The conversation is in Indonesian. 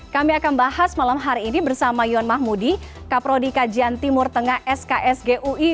kami akan bahas malam hari ini bersama yon mahmudi kaprodi kajian timur tengah sksgui